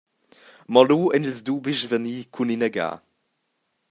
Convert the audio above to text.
Mo lu ein ils dubis svani cuninaga.